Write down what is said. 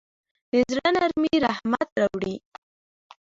د زړه نرمي رحمت راوړي.